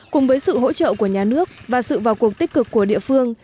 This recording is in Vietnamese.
cùng với sự hỗ trợ của nhà nước và sự vào cuộc tích cực của địa phương